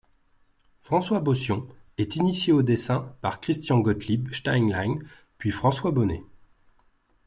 François Bocion est initié au dessin par Christian-Gottlieb Steinlen puis François Bonnet.